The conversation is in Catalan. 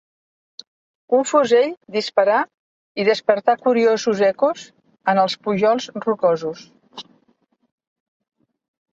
Un fusell disparà i despertà curiosos ecos en els pujols rocosos.